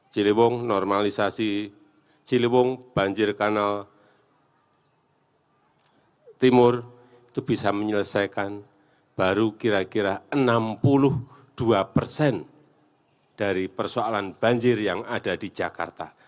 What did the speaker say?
ciliwung normalisasi ciliwung banjir kanal timur itu bisa menyelesaikan baru kira kira enam puluh dua persen dari persoalan banjir yang ada di jakarta